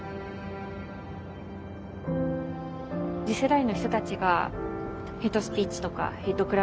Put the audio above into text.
次世代の人たちがヘイトスピーチとかヘイト